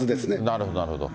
なるほど、なるほど。